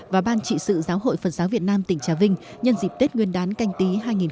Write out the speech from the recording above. và ban trị sự giáo hội phật giáo việt nam tỉnh trà vinh nhân dịp tết nguyên đán canh tí hai nghìn hai mươi